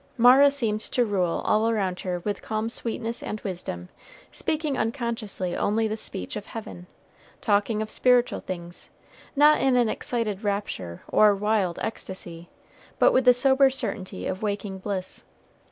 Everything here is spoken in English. Mara seemed to rule all around her with calm sweetness and wisdom, speaking unconsciously only the speech of heaven, talking of spiritual things, not in an excited rapture or wild ecstasy, but with the sober certainty of waking bliss.